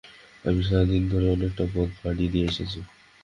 আমরা সারাদিন ধরে অনেকটা পথ পাড়ি দিয়ে এসেছি।